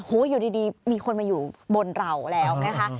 อยู่ดีมีคนมาอยู่บนเราแล้วนะคะ